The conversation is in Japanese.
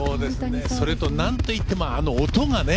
それとなんといっても、あの音がね。